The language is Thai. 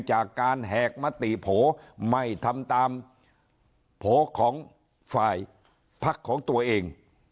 จากการแหกมติโผล่ไม่ทำตามโผล่ของฝ่ายพักของตัวเอง